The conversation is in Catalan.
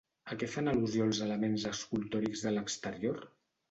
A què fan al·lusió els elements escultòrics de l'exterior?